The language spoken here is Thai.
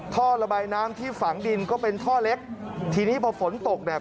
ท่อระบายน้ำที่ฝังดินก็เป็นท่อเล็กทีนี้พอฝนตกเนี่ย